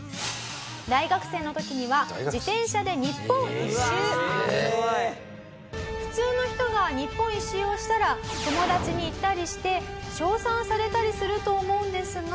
大学生の時には普通の人が日本一周をしたら友達に言ったりして称賛されたりすると思うんですが。